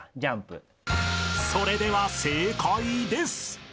［それでは正解です］